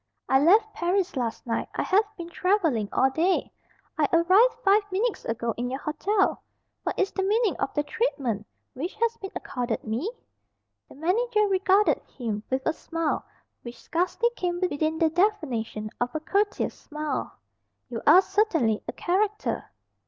"I left Paris last night. I have been travelling all day. I arrived five minutes ago in your hotel. What is the meaning of the treatment which has been accorded me?" The manager regarded him with a smile which scarcely came within the definition of a "courteous smile." "You are certainly a character."